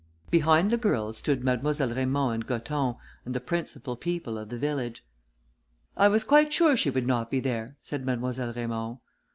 Behind the girls, stood Mademoiselle Raymond and Gothon, and the principal people of the village. "I was quite sure she would not be there," said Mademoiselle Raymond.